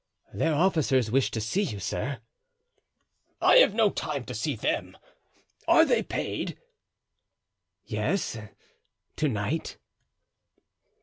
"Their officers wish to see you, sir." "I have no time to see them. Are they paid?" "Yes, to night."